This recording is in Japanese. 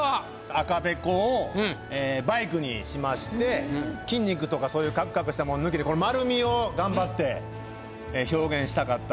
赤べこをバイクにしまして筋肉とかそういうカクカクしたもの抜きで丸みを頑張って表現したかったんで。